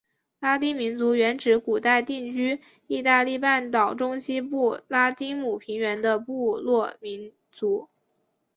拉丁民族原指古代定居义大利半岛中西部拉丁姆平原的部落民族。